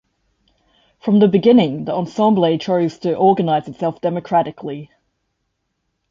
From the beginning, the ensemble chose to organize itself democratically.